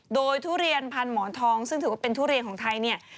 โดยทุเรียนพันหมอนทองซึ่งถือว่าเป็นทุเรียนของไทยเนี่ย